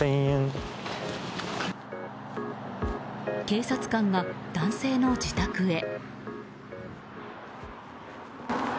警察官が男性の自宅へ。